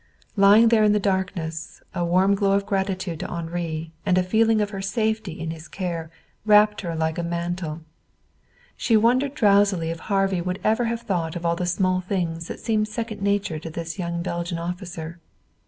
Lying there in the darkness, a warm glow of gratitude to Henri, and a feeling of her safety in his care, wrapped her like a mantle. She wondered drowsily if Harvey would ever have thought of all the small things that seemed second nature to this young Belgian officer.